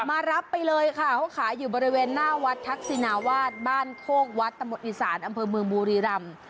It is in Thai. มารับไปเลยค่ะเขาขายอยู่บริเวณหน้าวัดทักษินาวาสบ้านโคกวัดตะหมดอีสานอำเภอเมืองบุรีรำ